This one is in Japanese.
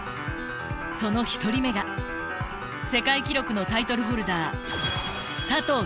その１人目が世界記録のタイトルホルダー